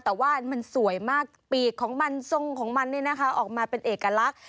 แต่ว่ามันสวยมากปีกของมันทรงของมันนี่นะคะออกมาเป็นเอกลักษณ์